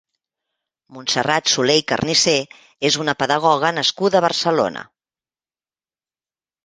Montserrat Soler i Carnicer és una pedagoga nascuda a Barcelona.